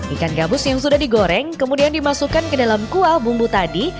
ikan gabus yang sudah digoreng kemudian dimasukkan ke dalam kuah bumbu tadi